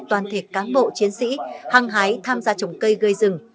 toàn thể cán bộ chiến sĩ hăng hái tham gia trồng cây gây rừng